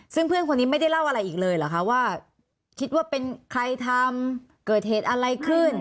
ซึ่งเพื่อนคนนี้ไม่ได้เล่าอะไรอีกเลยเหรอคะว่าคิดว่าเป็นใครทำเกิดเหตุอะไรขึ้น